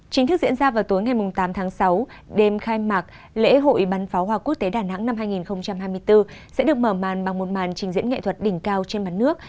chính thức diễn ra vào tối ngày tám tháng sáu đêm khai mạc lễ hội bắn pháo hoa quốc tế đà nẵng năm hai nghìn hai mươi bốn sẽ được mở màn bằng một màn trình diễn nghệ thuật đỉnh cao trên mặt nước